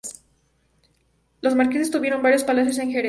Los marqueses tuvieron varios palacios en Jerez.